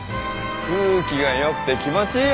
空気がよくて気持ちいいよ！